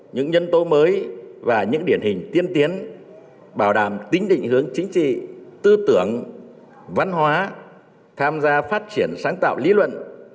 những nhân tố mới và những điển hình tiên tiến bảo đảm tính định hướng chính trị tư tưởng văn hóa tham gia phát triển sáng tạo lý luận